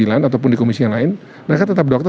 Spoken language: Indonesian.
lain ataupun di komisi yang lain mereka tetap dokter